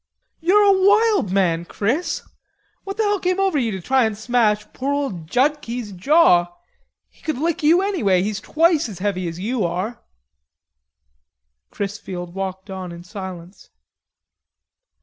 "You're a wild man, Chris. What the hell came over you to try an' smash poor old Judkie's jaw? He could lick you anyway. He's twice as heavy as you are." Chrisfield walked on in silence.